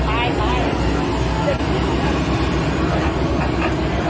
หรือว่าเกิดอะไรขึ้น